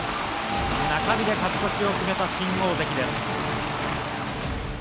中日で勝ち越しを決めた新大関です。